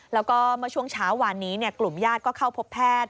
แล้วก็เมื่อช่วงเช้าวานนี้กลุ่มญาติก็เข้าพบแพทย์